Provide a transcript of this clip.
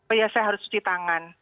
oh ya saya harus cuci tangan